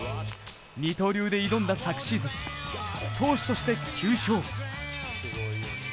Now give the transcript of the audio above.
二刀流で挑んだ昨シーズン、投手として、９勝。